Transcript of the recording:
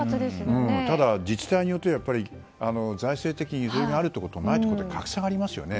ただ、自治体によっては財政的に余裕があるところとないところと格差がありますよね。